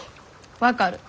分かる。